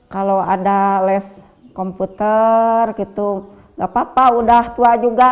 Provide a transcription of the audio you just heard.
kalau ada les komputer gitu gak apa apa udah tua juga